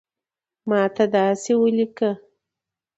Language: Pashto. ماته داسی اولیکه